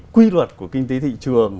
quy luật của kinh tế thị trường